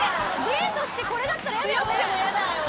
デートしてこれだったら嫌だよね？